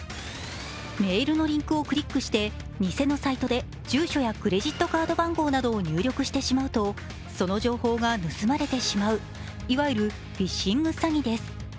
メールのリンクをクリックして偽のサイトで住所やクレジットカード番号などを入力してしまうとその情報が盗まれてしまういわゆるフィッシング詐欺です。